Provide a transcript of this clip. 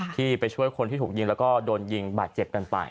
ที่ไปช่วยคนที่ถูกยิงแล้วก็โดนยิงบาดเจ็บกันไป